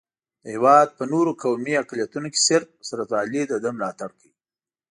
د هېواد په نورو قومي اقلیتونو کې صرف حضرت علي دده ملاتړ کوي.